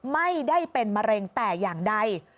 ไม่ได้เป็นมะเร็งแต่อย่างใด